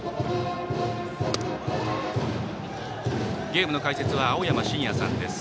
ゲームの解説は青山眞也さんです。